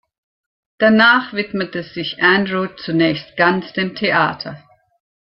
Danach widmete sich Andrew zunächst ganz dem Theater.